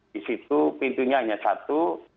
disitu pintunya hanya satu